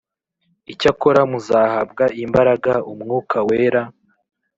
Icyakora muzahabwa imbaraga Umwuka Wera